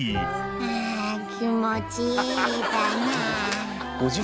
ああ気持ちええだなあ。